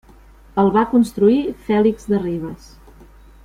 El va construir Fèlix de Ribes.